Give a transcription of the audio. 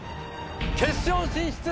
決勝進出